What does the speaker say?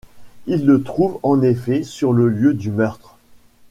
Il le trouve en effet sur le lieu du meurtre.